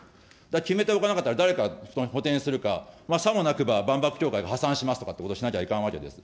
決めておかなかったら、誰か補填するか、さもなくば、万博協会破産しますとかってしなきゃいかんわけです。